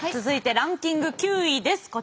続いてランキング９位です。